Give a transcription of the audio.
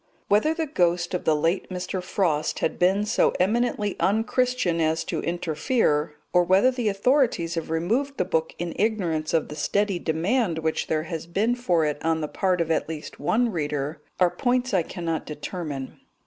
Whether the ghost of the late Mr. Frost has been so eminently unchristian as to interfere, or whether the authorities have removed the book in ignorance of the steady demand which there has been for it on the part of at least one reader, are points I cannot determine.